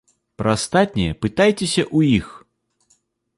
Пра астатняе пытайцеся ў іх!